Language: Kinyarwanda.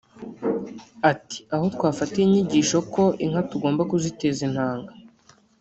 Ati “aho twafatiye inyigisho ko inka tugomba guziteza intanga